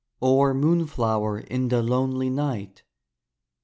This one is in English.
Or moonflower in the lonely night?